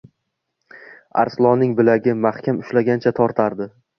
Arslonning bilagini mahkam ushlagancha tortardi.